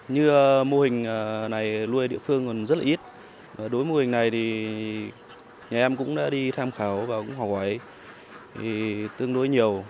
như mô hình này nuôi địa phương còn rất là ít đối với mô hình này thì nhà em cũng đã đi tham khảo và cũng hỏi tương đối nhiều